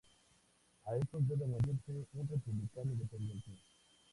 A estos debe añadirse un republicano independiente.